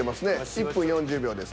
１分４０秒です。